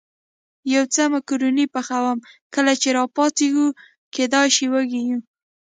یو څه مکروني پخوم، کله چې را پاڅېږو کېدای شي وږي یو.